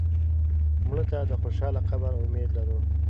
مړه ته د خوشاله قبر امید لرو